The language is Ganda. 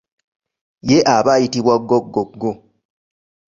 Ye aba ayitibwa ggoggoggo.